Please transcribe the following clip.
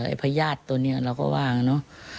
พญาติตัวนี้เราก็ว่างเนอะ